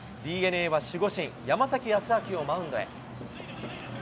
ＤｅＮＡは守護神、山崎康晃をマウンドへ。